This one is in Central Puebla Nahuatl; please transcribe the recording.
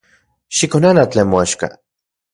Xikonana tlen moaxka.